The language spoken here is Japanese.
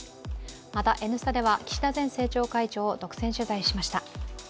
また、「Ｎスタ」では岸田前政調会長を独占取材しました。